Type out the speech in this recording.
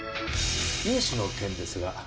融資の件ですが。